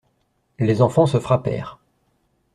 Les enfants se frappèrent.